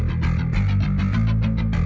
diserang dua orang dua orang